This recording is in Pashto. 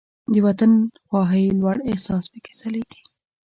د وطن خواهۍ لوړ احساس پکې ځلیږي.